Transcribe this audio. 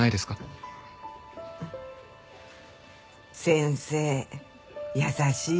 先生優しいわね。